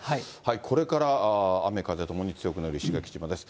これから雨、風ともに強くなる石垣島です。